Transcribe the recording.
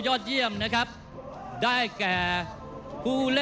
ท่านแรกครับจันทรุ่ม